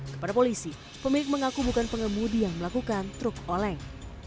kepada polisi pemilik mengaku bukan pengemudi yang melakukan truk oleng